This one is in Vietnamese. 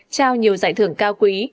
trao nhiều giải thưởng cao quý